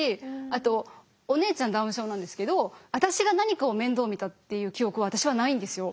あとお姉ちゃんダウン症なんですけど私が何かを面倒見たっていう記憶は私はないんですよ。